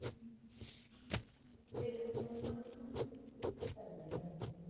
amegundulika chura mwenye ngozi ya kioo na ukimtazama